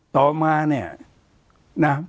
ต่อมาเนี่ยนะ